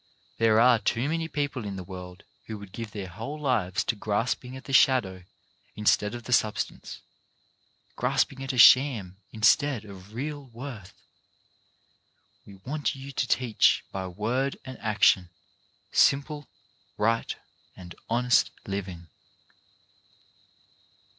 There are too many people in the world who give their whole lives to grasping at the shadow instead of the substance — grasping at a sham instead of real worth. We want you to teach by word and action simple, right and honest living.